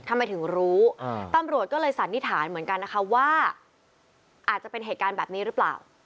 ทำไมถึงรู้ตำรวจก็เลยสันนิษฐานเหมือนกันนะคะว่าอาจจะเป็นเหตุการณ์แบบนี้หรือเปล่า